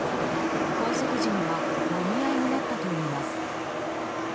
拘束時にはもみ合いになったといいます。